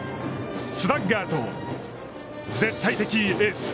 スラッガーと絶対的エース。